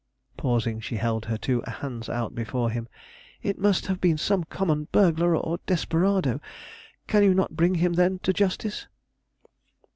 Pausing, she held her two hands out before him. "It must have been some common burglar or desperado; can you not bring him, then, to justice?"